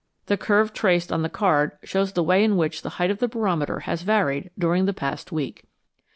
The curve traced on the card shows the way in which the height of the barometer has varied during the past week.